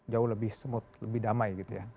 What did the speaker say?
jauh lebih smooth lebih damai gitu ya